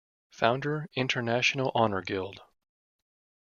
Founder "International Horror Guild"